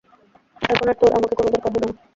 এখন আর তোর আমাকে কোনো দরকার হইবে না।